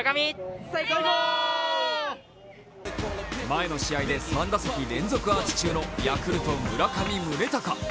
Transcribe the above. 前の試合で３打席連続アーチ中のヤクルト・村上宗隆。